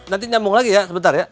nanti nyambung lagi ya sebentar ya